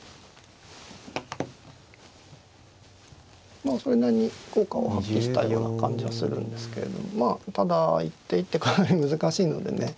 まあそれなりに効果を発揮したような感じはするんですけれどもただ一手一手かなり難しいのでね